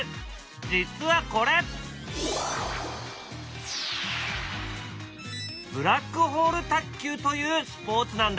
実はこれ「ブラックホール卓球」というスポーツなんだ。